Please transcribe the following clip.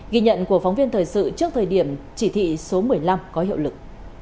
ghi nhận của phóng viên thời sự trước thời điểm chỉ thị số một mươi năm có hiệu lực